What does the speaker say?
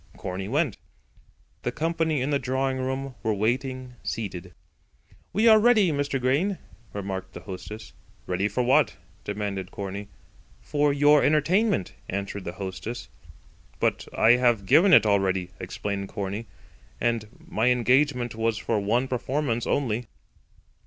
Corney went. The company in the drawing room were waiting, seated. "We are ready, Mr. Grain," remarked the hostess. "Ready for what?" demanded Corney. "For your entertainment," answered the hostess. "But I have given it already," explained Corney; "and my engagement was for one performance only."